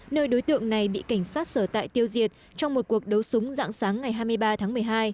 nơi đối tượng này bị cảnh sát sở tại tiêu diệt trong một cuộc đấu súng dạng sáng ngày hai mươi ba tháng một mươi hai